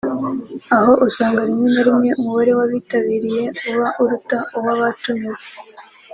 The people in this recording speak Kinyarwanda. aho usanga rimwe na rimwe umubare w’abitabiriye uba uruta uw’abatumiwe